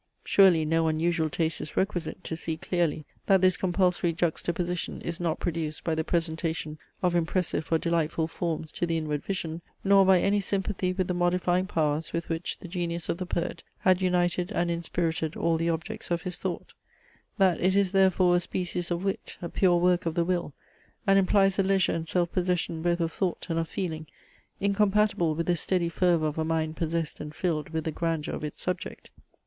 Surely, no unusual taste is requisite to see clearly, that this compulsory juxtaposition is not produced by the presentation of impressive or delightful forms to the inward vision, nor by any sympathy with the modifying powers with which the genius of the poet had united and inspirited all the objects of his thought; that it is therefore a species of wit, a pure work of the will, and implies a leisure and self possession both of thought and of feeling, incompatible with the steady fervour of a mind possessed and filled with the grandeur of its subject.